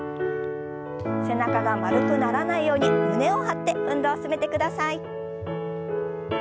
背中が丸くならないように胸を張って運動を進めてください。